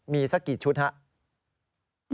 มีสักกี่ชุดครับ